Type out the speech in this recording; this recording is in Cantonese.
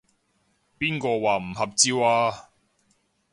邊個話唔合照啊？